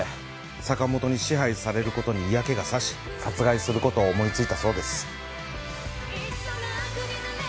坂本に支配される事に嫌気が差し殺害する事を思いついたそうです。